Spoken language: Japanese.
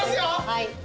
はい。